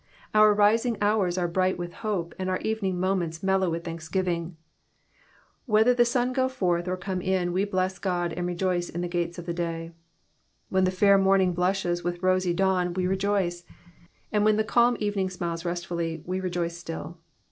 Our rising hours are bright with hope, and our evening moments mellow with thanksgiving. Whether the sun ?^o forth or come in we bless God and rejoice in the gates of the day. When the air morning blushes with the rosy dawn we rejoice ; and when the calm evening smiles restfully we rejoice still.